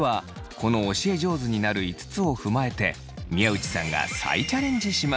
この教え上手になる５つを踏まえて宮内さんが再チャレンジします。